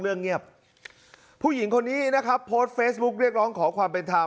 เรื่องเงียบผู้หญิงคนนี้นะครับโพสต์เฟซบุ๊กเรียกร้องขอความเป็นธรรม